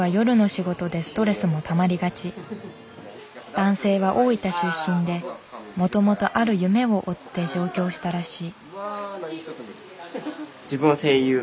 男性は大分出身でもともとある夢を追って上京したらしい。